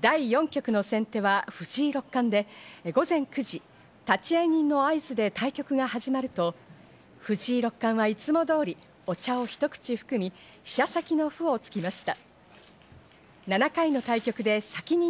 第４局の先手は藤井六冠で、午前９時、立会人の合図で対局が始まると、藤井六冠はいつも通り、お茶をひと口含み、飛車先の歩をつけました。